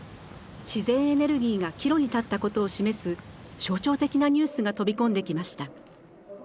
自然エネルギーが岐路に立ったことを示す象徴的なニュースが飛び込んできました。